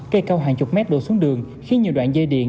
cây cao hàng chục mét đổ xuống đường khiến nhiều đoạn dây điện